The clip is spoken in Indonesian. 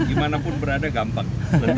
gimanapun berada gampang